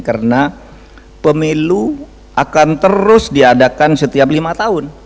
karena pemilu akan terus diadakan setiap lima tahun